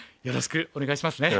よろしくお願いします。